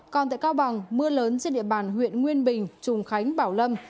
còn tại cao bằng mưa lớn trên địa bàn huyện nguyên bình trùng khánh bảo lâm